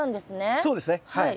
そうですねはい。